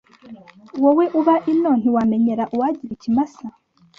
Wowe uba ino ntiwamenyera uwagira ikimasa